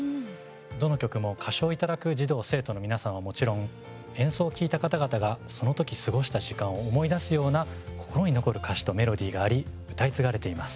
どの曲も歌唱いただく児童、生徒の皆さんはもちろん演奏を聴いた方々がその時、過ごした時間を思い出すような心に残る歌詞とメロディーがあり歌い継がれています。